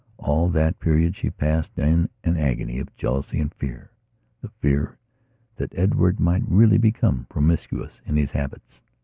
All that period she passed in an agony of jealousy and fearthe fear that Edward might really become promiscuous in his habits.